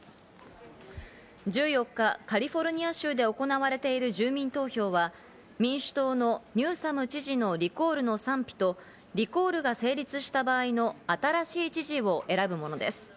１４日、カリフォルニア州で行われている住民投票は、民主党のニューサム知事のリコールの賛否とリコールが成立した場合の新しい知事を選ぶものです。